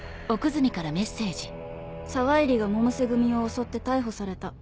「沢入が百瀬組を襲って逮捕された」。